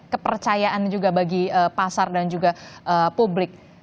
kepercayaan juga bagi pasar dan juga publik